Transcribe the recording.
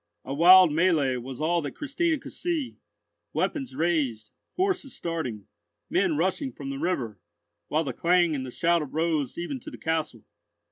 A wild mêlée was all that Christina could see—weapons raised, horses starting, men rushing from the river, while the clang and the shout rose even to the castle.